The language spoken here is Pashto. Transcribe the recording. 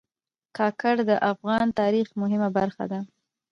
کاکړ د افغان تاریخ مهمه برخه دي.